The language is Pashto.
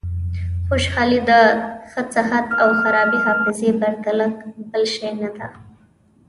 خوشحالي د ښه صحت او خرابې حافظې پرته بل شی نه ده.